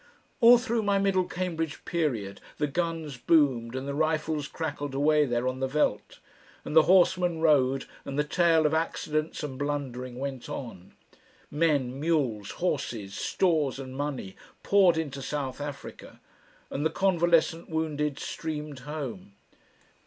All through my middle Cambridge period, the guns boomed and the rifles crackled away there on the veldt, and the horsemen rode and the tale of accidents and blundering went on. Men, mules, horses, stores and money poured into South Africa, and the convalescent wounded streamed home.